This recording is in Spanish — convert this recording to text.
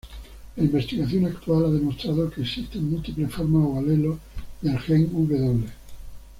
La investigación actual ha demostrado que existen múltiples formas, o alelos, del gen "W".